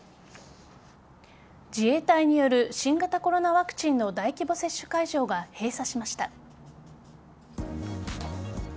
自衛隊による新型コロナワクチンの大規模接種会場が閉鎖しました。